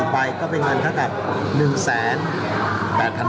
๕๔ใบก็เป็นเงินค่าเก็บ๑แสน๘พันบาท